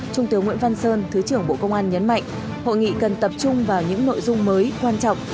trung tướng nguyễn văn sơn thứ trưởng bộ công an nhấn mạnh hội nghị cần tập trung vào những nội dung mới quan trọng